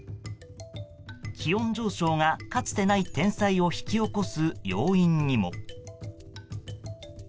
気温上昇が、かつてない天災を引き起こす要因にも。